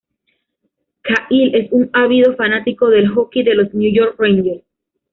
Cahill es un ávido fanático del hockey de los New York Rangers.